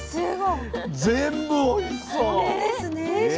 全部おいしそう。ね定食